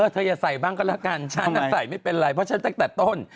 อย่าใส่บ้างก็แล้วกันฉันน่ะใส่ไม่เป็นไรเพราะฉันตั้งแต่ต้น